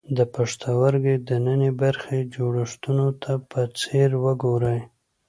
د پښتورګي دننۍ برخې جوړښتونو ته په ځیر وګورئ.